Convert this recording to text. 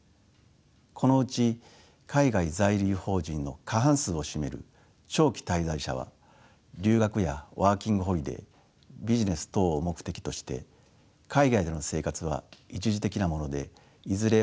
このうち海外在留邦人の過半数を占める長期滞在者は留学やワーキングホリデービジネス等を目的として海外での生活は一時的なものでいずれ